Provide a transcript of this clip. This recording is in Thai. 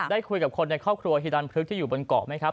ได้คุยกับคนในครอบครัวฮิรันพลึกที่อยู่บนเกาะไหมครับ